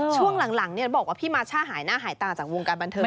ช่วงหลังบอกว่าพี่มาช่าหายหน้าหายตาจากวงการบันเทิง